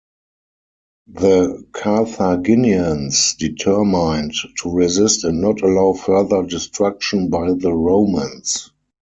The Carthaginians determined to resist and not allow further destruction by the Romans.